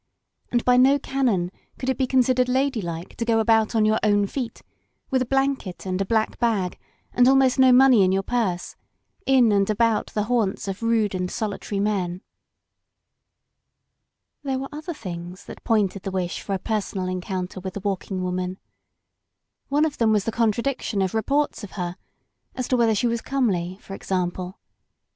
And by no canon could it be considered ladylike to go about on your own feet, with a blanket and a black bag and almost no money in your purse, in and about the hatmts of rude ^nd solitary men. There were other things that pointed the wish for a personal encoimter with the Walking Woman. One of them was the contradiction of reports of her — ^as to whether she was comely, for example.